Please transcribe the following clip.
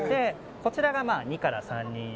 こちらが２から３人用